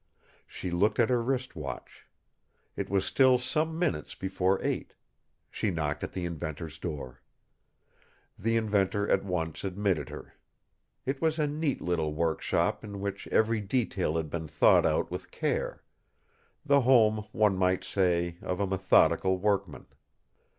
She looked at her wrist watch. It was still some minutes before eight. She knocked at the inventor's door. The inventor at once admitted her. It was a neat little workshop in which every detail had been thought out with care the home, one might say, of a methodical workman.